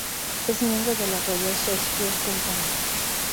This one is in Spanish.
Es miembro de la Royal Shakespeare Company.